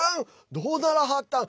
どうならはったん？